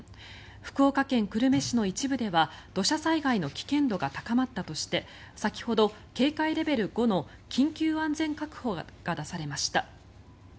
福岡県久留米市の一部では土砂災害の危険度が高まったとして先ほど、警戒レベル５の緊急安全確保が出されました。